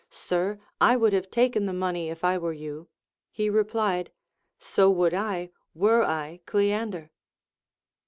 Sir, I would have taken the money if I were you, he replied. So would I, were I Oleander.